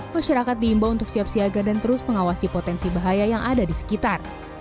masyarakat diimbau untuk siap siaga dan terus mengawasi potensi bahaya yang ada di sekitar